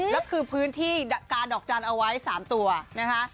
แล้วคือพื้นที่กาดอกจันทร์เอาไว้๓ตัวนะคะ